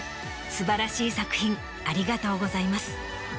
素晴らしい作品ありがとうございます。